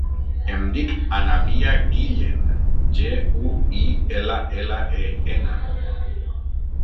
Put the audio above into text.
Em dic Anabia Guillen: ge, u, i, ela, ela, e, ena.